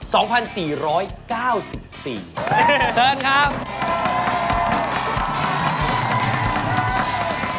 เชิญครับ